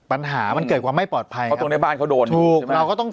ปัญหามันเกิดความไม่ปลอดภัยเพราะตรงเนี้ยบ้านเขาโดนถูกเราก็ต้อง